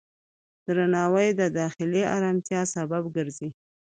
درناوی د داخلي آرامتیا سبب ګرځي.